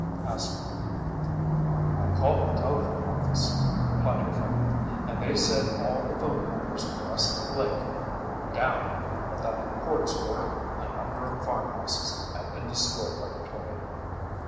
asked Margaret. "I called the telephone office," replied her father, "and they said all the phone wires west of the lake were down but that reports were a number of farm houses had been destroyed by the tornado."